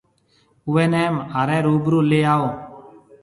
اُوئي نَي مهاريَ روبرو ليَ آئو۔